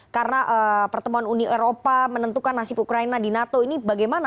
karena pertemuan uni eropa menentukan nasib ukraina di nato ini bagaimana